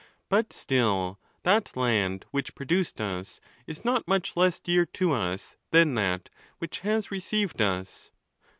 But still that land which produced us is not much less dear to us than that which has received us.